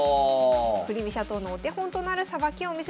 振り飛車党のお手本となるさばきを見せた藤井九段。